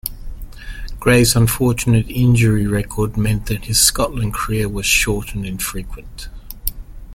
Gray's unfortunate injury record meant that his Scotland career was short and infrequent.